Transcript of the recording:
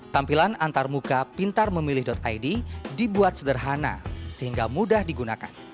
tampilan antarmuka pintarmemilih id dibuat sederhana sehingga mudah digunakan